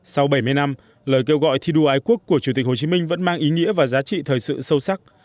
sau bảy mươi năm lời kêu gọi thi đua ái quốc của chủ tịch hồ chí minh vẫn mang ý nghĩa và giá trị thời sự sâu sắc